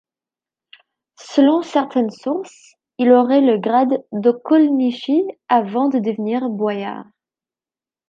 Selon certaines sources, il aurait le grade d'okolnichy avant de devenir boyard.